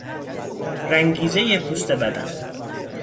رنگیزهی پوست بدن